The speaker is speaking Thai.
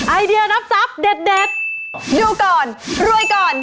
ไอเดียรับทรัพย์เด็ดดูก่อนรวยก่อน